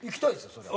そりゃ。